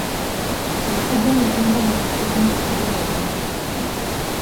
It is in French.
Le problème est commun dans les produits exposés à la lumière du soleil.